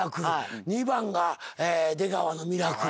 ２番が出川のミラクル。